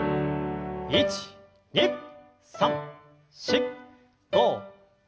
１２３４５６７８。